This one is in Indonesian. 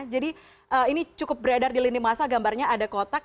jadi ini cukup beredar di lini masa gambarnya ada kotak